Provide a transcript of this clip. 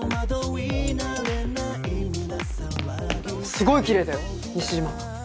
すごいきれいだよ西島。